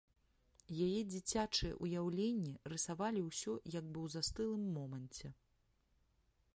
Яе дзіцячыя ўяўленні рысавалі ўсё як бы ў застылым моманце.